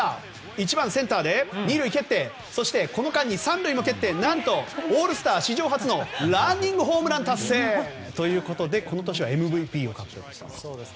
１番センターで２塁を蹴ってそして、この間に３塁も蹴って何と、オールスター史上初のランニングホームラン達成！ということでこの年はＭＶＰを獲得したんです。